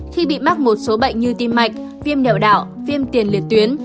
khi bị mắc một số bệnh như tim mạch viêm đẹo đảo viêm tiền liệt tuyến